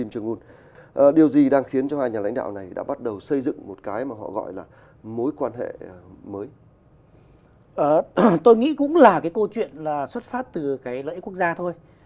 tôi nghĩ cũng là câu chuyện xuất phát từ lợi ích quốc gia thôi